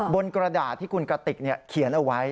กระดาษที่คุณกระติกเขียนเอาไว้